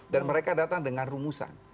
dan mereka datang dengan rumusan